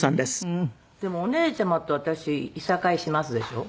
でもお姉ちゃまと私いさかいしますでしょ。